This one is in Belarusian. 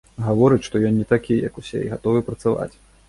Гаворыць, што ён не такі, як усе і гатовы працаваць.